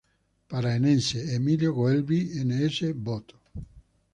Paraense "Emílio Goeldi", n.s., Bot.